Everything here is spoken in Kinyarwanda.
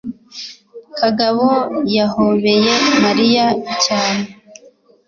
kagabo yahobeye mariya cyane